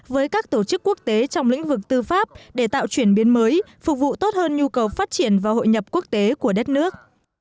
với các tổ chức quốc tế trong lĩnh vực tư pháp để tạo chuyển biến mới phục vụ tốt hơn nhu cầu phát triển và hội nhập quốc tế của đất nước